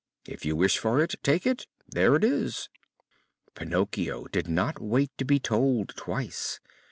If you wish for it, take it; there it is." Pinocchio did not wait to be told twice.